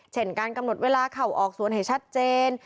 เช่นการกำหนดเวลาเข้าออกสวนให้ชัดเจน